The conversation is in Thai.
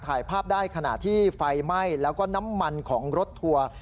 ถ่ายภาพได้ขณะที่ไฟไหม้แล้วก็น้ำมันของรถทัวร์